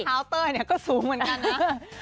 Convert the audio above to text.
แต่รอยเท้าเต้ยก็สูงเหมือนกันนะ